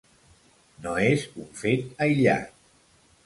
No és un fet aïllat.